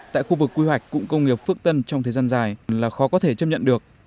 tại khu vực quy hoạch cụm công nghiệp phước tân trong thời gian dài là khó có thể chấp nhận được